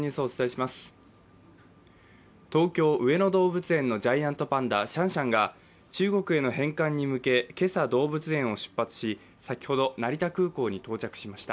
東京・上野動物園のジャイアントパンダシャンシャンが中国への返還に向け、今朝、動物園を出発し先ほど成田空港に到着しました。